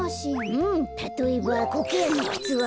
うんたとえばコケヤンのくつは？